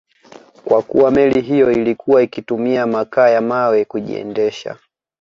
Kwa kuwa meli hiyo ilikuwa ikitumia makaa ya mawe kujiendesha